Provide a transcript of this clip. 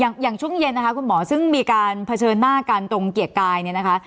อย่างช่วงเย็นนะคะคุณหมอซึ่งมีการเผชิญหน้ากันตรงเกียรติกายเนี่ยนะคะ